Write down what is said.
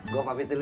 gue pamit dulu ya